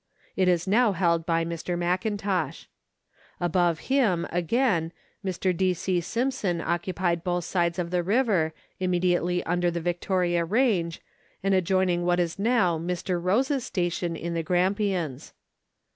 It is now held by Mr. Mackintosh. Above him, again, Mr. D. C. Simson occupied both sides of the river, immediately under the Victoria range, and adjoining what is now Mr. Rose's station in the Grampians.